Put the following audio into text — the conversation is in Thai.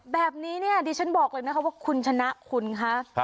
แบบนี้เนี่ยดิฉันบอกเลยนะคะว่าคุณชนะคุณคะ